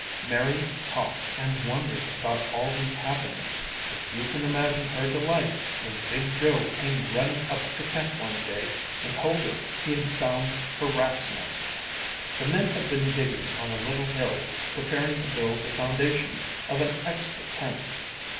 Mary talked and wondered about all these happenings, and you can imagine her delight when big Joe came running up to camp one day and told her he had found her rat's nest. The men had been digging on a little hill preparing to build the foundation of an extra tent.